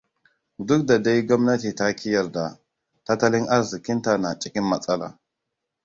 Duk da dai gwamnati ta ki yarda, tattalin arzikinta na cikin matsala.